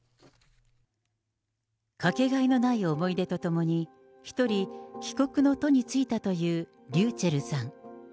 掛けがえのない思い出と共に、一人、帰国の途に就いたというｒｙｕｃｈｅｌｌさん。